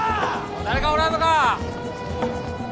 ・誰かおらんのか！